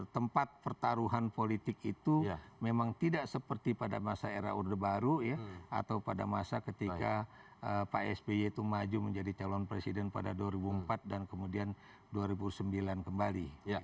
tempat pertaruhan politik itu memang tidak seperti pada masa era orde baru atau pada masa ketika pak sby itu maju menjadi calon presiden pada dua ribu empat dan kemudian dua ribu sembilan kembali